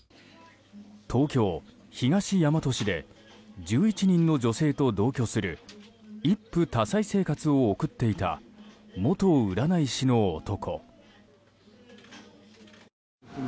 東京・東大和市で１１人の女性と同居する一夫多妻生活を送っていた元占い師の男。